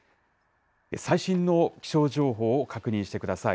最新の気象情報を確認してください。